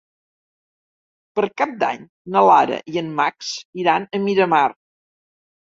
Per Cap d'Any na Lara i en Max iran a Miramar.